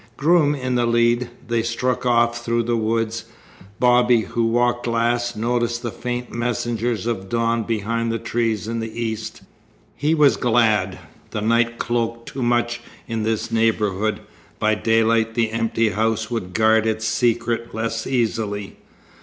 Groom in the lead, they struck off through the woods. Bobby, who walked last, noticed the faint messengers of dawn behind the trees in the east. He was glad. The night cloaked too much in this neighbourhood. By daylight the empty house would guard its secret less easily.